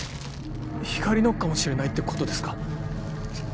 光莉のかもしれないってことですか？